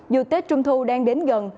dù tết trung thu đang đến gần